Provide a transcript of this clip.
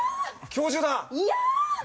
教授だ！